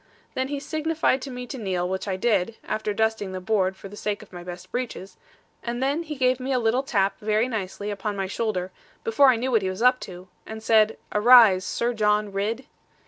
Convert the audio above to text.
Then he signified to me to kneel, which I did (after dusting the board, for the sake of my best breeches), and then he gave me a little tap very nicely upon my shoulder, before I knew what he was up to; and said, 'Arise, Sir John Ridd!'